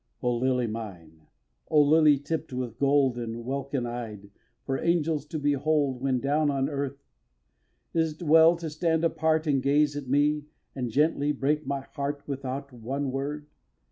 iii. O Lily mine! O Lily tipp'd with gold And welkin eyed for angels to behold When down on earth! Is't well to stand apart And gaze at me and gently break my heart Without one word?